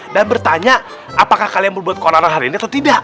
dan bertanya apakah kalian membuat koronan hari ini atau tidak